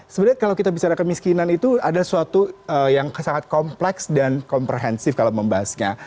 sebenarnya kalau kita bicara kemiskinan itu ada suatu yang sangat kompleks dan komprehensif kalau membahasnya